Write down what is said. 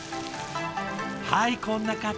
はいこんな方。